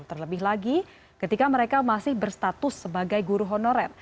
terlebih lagi ketika mereka masih berstatus sebagai guru honorer